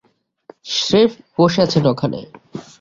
স্রেফ বসে আছেন ওখানে।